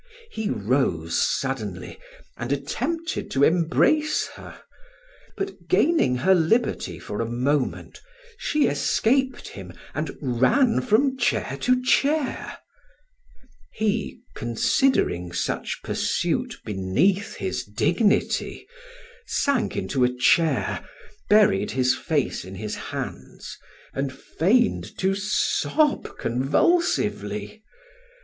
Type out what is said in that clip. He rose suddenly and attempted to embrace her, but gaining her liberty for a moment, she escaped him and ran from chair to chair. He, considering such pursuit beneath his dignity, sank into a chair, buried his face in his hands, and feigned to sob convulsively.